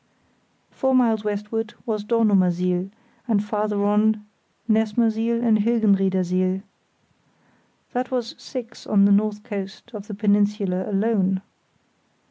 Four miles westward was Dornumersiel; and farther on Nessmersiel and Hilgenriedersiel. That was six on the north coast of the peninsula alone.